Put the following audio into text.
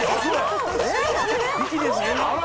あら！